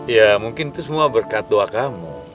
ya mungkin itu semua berkat doa kamu